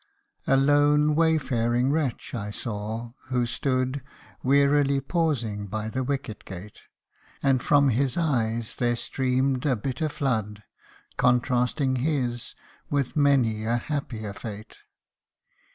A LONE, wayfaring wretch I saw, who stood Wearily pausing by the wicket gate ; And from his eyes there streamed a bitter flood, Contrasting his with many a happier fate.